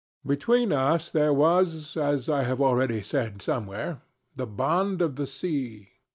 Between us there was, as I have already said somewhere, the bond of the sea.